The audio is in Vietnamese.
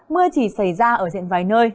mưa chỉ xảy ra ở diện vài nơi